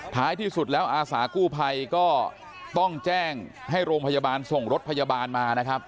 ท้ายที่สุดแล้วอาสากู้ภัยก็ต้องแจ้งให้โรงพยาบาลส่งรถพยาบาลมานะครับ